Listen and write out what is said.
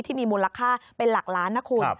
ที่มีมูลค่าเป็นหลักล้านนะคุณ